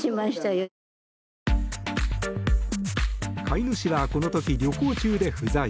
飼い主はこの時旅行中で不在。